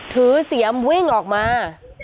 ถือเสี่ยมวิ่งออกมา